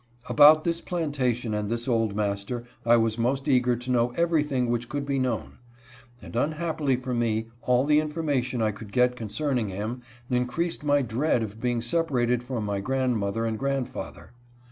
About this plantation and this old master I was most HIS REMOVAL TO COLONEL LLOYD'S. 31 eager to know everything which could be known ; and, unhappily for me, all the information I could get concerning him increased my dread of being separated from my grandmother and grandfather.